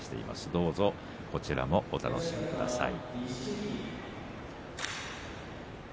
どうぞこちらもお楽しみください。